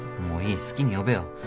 もういい好きに呼べよ。